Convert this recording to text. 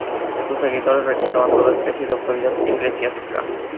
Sus seguidores rechazaban toda especie de autoridad eclesiástica.